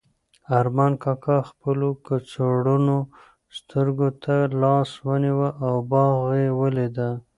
ارمان کاکا خپلو کڅوړنو سترګو ته لاس ونیو او باغ یې ولید.